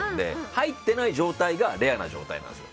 入ってない状態がレアな状態なんですよ。